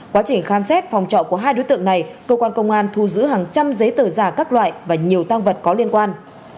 quá trình khám xét phòng trọ của hai đối tượng này công an tỉnh bắc ninh thu giữ hàng trăm giấy tờ giả các loại và nhiều tăng vật có liên quan